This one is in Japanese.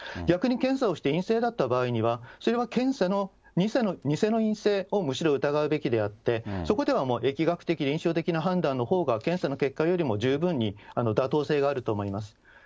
逆に検査をして陰性だった場合には、それは検査の偽の陰性をむしろ疑うべきであって、そこではもう疫学的、臨床的な判断のほうが、検査の結果よりも十分に妥当性があると思います。